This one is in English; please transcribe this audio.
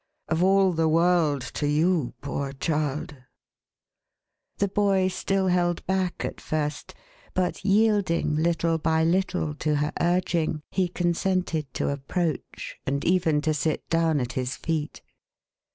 Of all the world, to you, poor child !" The boy still held back at first, but yielding little by little to her urging, he consented to approach, and even to sit down at his feet.